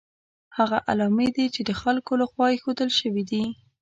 هغه علامې دي چې د خلکو له خوا ایښودل شوي دي.